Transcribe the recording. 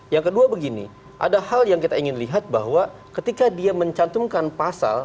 yang kedua begini ada hal yang kita ingin lihat bahwa ketika dia mencantumkan pasal